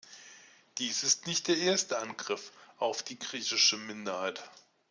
Dies ist nicht der erste Angriff auf die griechische Minderheit.